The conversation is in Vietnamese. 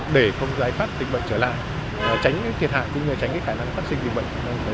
để không giải pháp tình bệnh trở lại tránh thiệt hạng cũng như tránh khả năng phát sinh tình bệnh